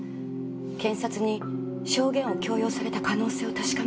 検察に証言を強要された可能性を確かめるために。